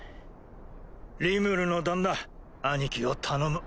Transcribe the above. リムルの旦那兄貴を頼む。